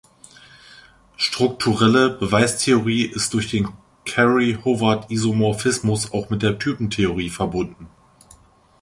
Strukturelle Beweistheorie ist durch den Curry-Howard-Isomorphismus auch mit der Typentheorie verbunden.